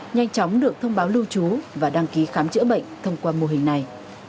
nhanh chóng được thông báo lưu trú và đăng ký khám chữa bệnh thông qua mô hình này